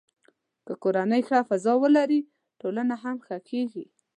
که کورنۍ ښه فضا ولري، ټولنه هم ښه کېږي.